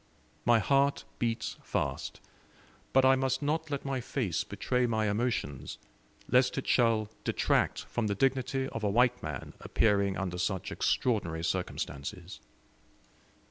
My heart beats fast, but I must not let my face betray my emotions, lest it shall detract from the dignity of a white man appearing under such extraordinary circumstances.